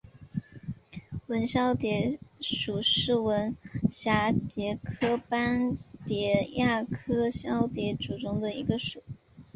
纹绡蝶属是蛱蝶科斑蝶亚科绡蝶族中的一个属。